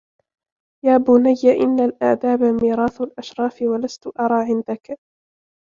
يَا بُنَيَّ إنَّ الْآدَابَ مِيرَاثُ الْأَشْرَافِ وَلَسْتُ أَرَى عِنْدَك